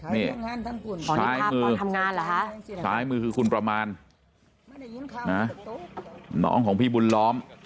นี่ชายมือชายมือคือคุณประมาณน้องของพี่บุญล้อม